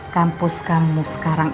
kampus kamu sekarang itu